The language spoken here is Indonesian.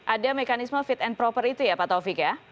ada mekanisme fit and proper itu ya pak taufik ya